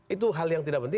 itu hal yang tidak penting